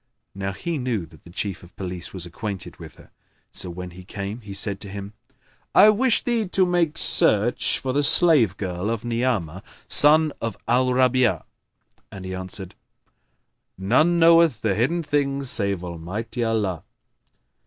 Now he knew that the Chief of Police was acquainted with her; so, when he came, he said to him, "I wish thee to make search for the slave girl of Ni'amah son of Al Rabi'a." And he answered, "None knoweth the hidden things save Almighty Allah."